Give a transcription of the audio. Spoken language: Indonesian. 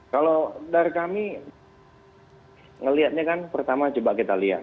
kalau dari kami melihatnya kan pertama coba kita lihat